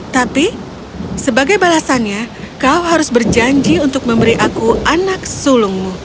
tapi sebagai balasannya kau harus berjanji untuk memberi aku anak sulungmu